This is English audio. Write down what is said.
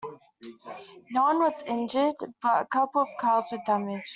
No one was injured, but a couple of cars were damaged.